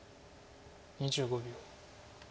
２５秒。